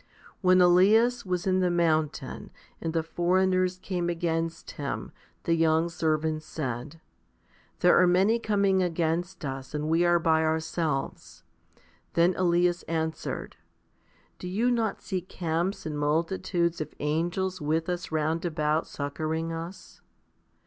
When Elias was in the mountain, and the foreigners came against him, the young servant said, "There are many coming against us, and we are by ourselves." Then Elias answered, " Do you not see camps and multitudes of angels with us round about succouring us